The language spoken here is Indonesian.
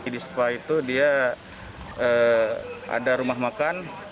di spa itu dia ada rumah makan